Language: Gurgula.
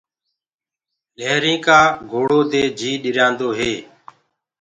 لهرينٚ ڪآ شورو دي جي ڏريآندو هي۔